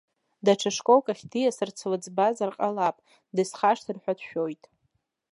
Даҽа школк ахь диасырц лыӡбазар ҟалап, дысхашҭыр ҳәа дшәоит.